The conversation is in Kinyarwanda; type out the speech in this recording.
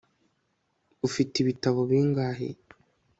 ufite ibitabo bingahe